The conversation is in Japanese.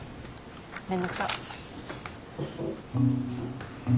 面倒くさ。